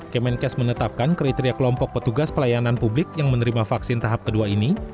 kemenkes menetapkan kriteria kelompok petugas pelayanan publik yang menerima vaksin tahap kedua ini